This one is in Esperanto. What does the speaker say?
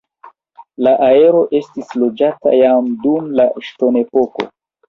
La areo estis loĝata jam dum la ŝtonepoko.